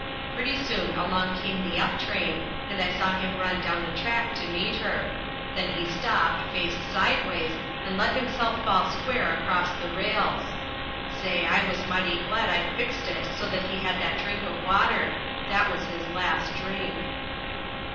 "Pretty soon along came the up train, and I saw him run down the track to meet her. Then he stopped, faced sideways, and let himself fall square across the rails. Say, I was mighty glad I'd fixed it so he had that drink of water. That was his last drink."